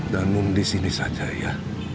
danun di sini saja ya